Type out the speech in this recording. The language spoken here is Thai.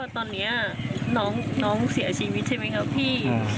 ตอนนี้น้องเสียชีวิตใช่ไหมครับพี่